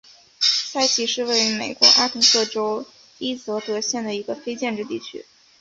塞奇是位于美国阿肯色州伊泽德县的一个非建制地区。